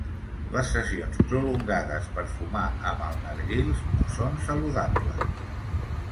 Les sessions prolongades per fumar amb el narguil no són saludables.